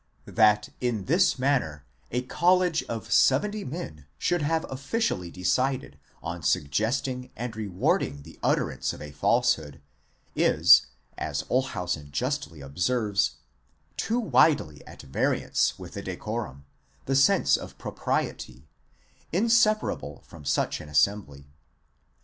'That in this manner a college of seventy men should have officially decided on suggesting and rewarding the utterance of a false 'hood, is, as Olshausen justly observes, too widely at variance with the de corum, the sense of propriety, inseparable from such an assembly.